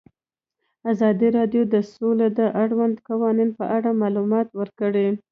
ازادي راډیو د سوله د اړونده قوانینو په اړه معلومات ورکړي.